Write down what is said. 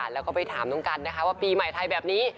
แล้วก็ไปถามน้องกันนะคะว่าปีใหม่ไทยแบบนี้